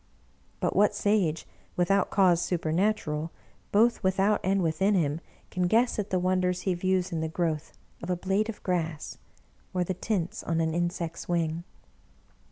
But what Sage, without cause supernatural, both without and within him, can guess at the wonders he views in the growth of a blade of grass, or the tints on an insect's wing?